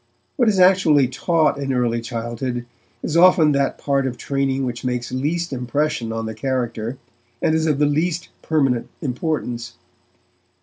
What is actually taught in early childhood is often that part of training which makes least impression on the character, and is of the least permanent importance.